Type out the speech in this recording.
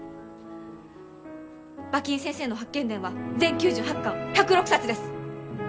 馬琴先生の「八犬伝」は全９８巻１０６冊です。